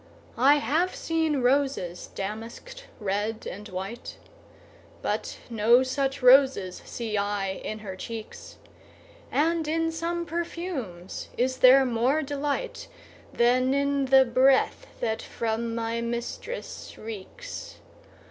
I have seen roses damask'd, red and white, But no such roses see I in her cheeks; And in some perfumes is there more delight Than in the breath that from my mistress reeks.